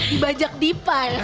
dibajak dipa ya